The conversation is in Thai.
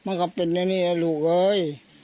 มันก็เป็นแน่ลูกเอ้ย